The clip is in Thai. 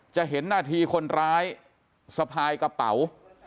เห็นนาทีคนร้ายสะพายกระเป๋า